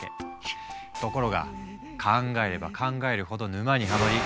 ところが考えれば考えるほど沼にはまり